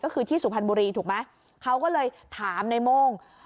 ก็คือที่สุพรรณบุรีถูกไหมเขาก็เลยถามในโม่ง